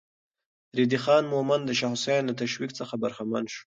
ريدی خان مومند د شاه حسين له تشويق څخه برخمن شو.